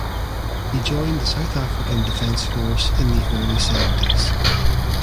He joined the South African Defence Force in the early seventies.